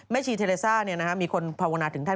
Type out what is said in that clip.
แม่ชีเทเลซ่ามีคนภาวนาถึงท่าน